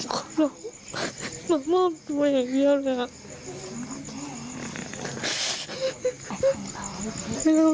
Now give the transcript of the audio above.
เค้ามห่ามทวงอย่างเดียวเลย